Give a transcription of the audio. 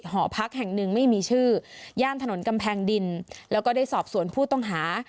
หอพักแห่งหนึ่งไม่มีชื่อย่านถนนกำแพงดินแล้วก็ได้สอบสวนผู้ต้องหา